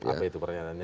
apa itu pernyataannya